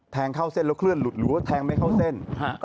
เข้าเส้นแล้วเคลื่อนหลุดหรือว่าแทงไม่เข้าเส้น